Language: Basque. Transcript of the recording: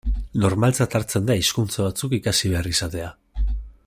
Normaltzat hartzen da hizkuntza batzuk ikasi behar izatea.